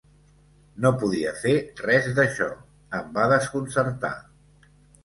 No podia fer res d'això. Em va desconcertar.